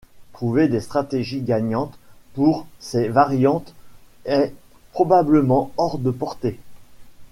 Trouver des stratégies gagnantes pour ces variantes est probablement hors de portée.